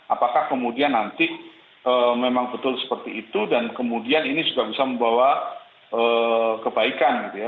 apakah kemudian nanti memang betul seperti itu dan kemudian ini juga bisa membawa kebaikan gitu ya